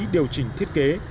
điều chỉnh thiết kế